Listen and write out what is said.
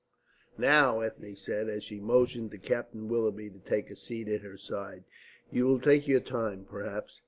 "Now," said Ethne, and she motioned to Captain Willoughby to take a seat at her side. "You will take your time, perhaps.